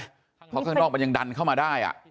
เพราะข้างนอกมันยังดันเข้ามาได้